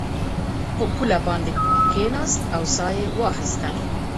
په پوله باندې کېناست او ساه یې واخیسته.